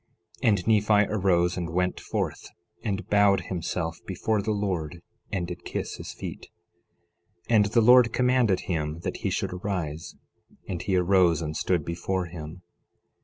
11:19 And Nephi arose and went forth, and bowed himself before the Lord and did kiss his feet. 11:20 And the Lord commanded him that he should arise. And he arose and stood before him.